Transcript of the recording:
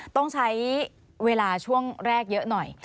ต้องใช้เวลาช่วงแรกเยอะหน่อย